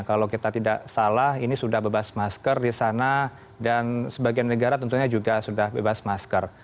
kalau kita tidak salah ini sudah bebas masker di sana dan sebagian negara tentunya juga sudah bebas masker